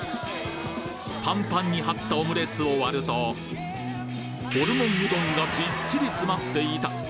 パンパンに張ったオムレツを割るとホルモンうどんがびっちり詰まっていた！